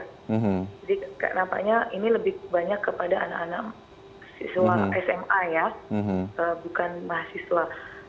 jadi nampaknya ini lebih banyak kepada anak anak siswa sma ya bukan mahasiswa